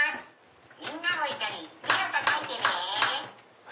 みんなも一緒に手をたたいてね。